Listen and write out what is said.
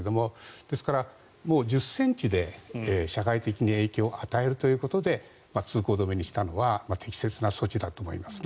ですから、もう１０ｃｍで社会的に影響を与えるということで通行止めにしたのは適切な措置だと思いますね。